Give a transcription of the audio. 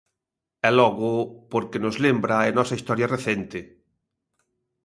E logo, porque nos lembra a nosa historia recente.